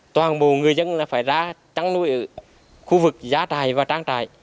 toàn bộ người dân phải ra trang nuôi khu vực giá trại và trang trại